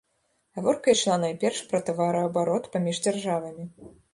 Гаворка ішла найперш пра тавараабарот паміж дзяржавамі.